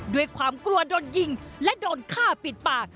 ด้วยความกลัวโดนยิงและโดนฆ่าปิดปาก